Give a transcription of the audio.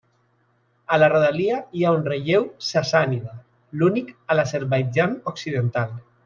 A la rodalia hi ha un relleu sassànida, l'únic a l'Azerbaidjan occidental.